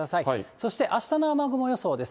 そしてあしたの雨雲予想です。